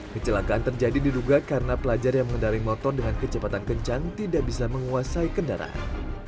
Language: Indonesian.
kecelakaan terjadi diduga karena pelajar yang mengendari motor dengan kecepatan kencang tidak bisa menguasai kendaraan